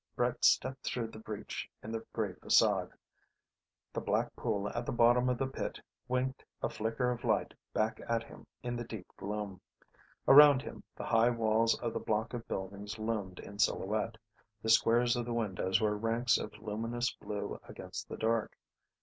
Brett stepped through the breach in the grey facade. The black pool at the bottom of the pit winked a flicker of light back at him in the deep gloom. Around him, the high walls of the block of buildings loomed in silhouette; the squares of the windows were ranks of luminous blue against the dark.